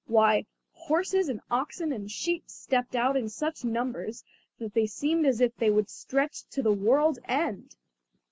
Why, horses and oxen and sheep stepped out in such numbers that they seemed as if they would stretch to the world's end!